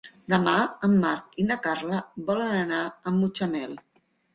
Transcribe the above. Demà en Marc i na Carla volen anar a Mutxamel.